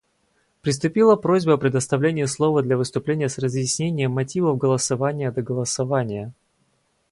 Поступила просьба о предоставлении слова для выступления с разъяснением мотивов голосования до голосования.